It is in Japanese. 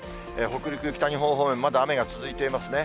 北陸、北日本方面、まだ雨が続いていますね。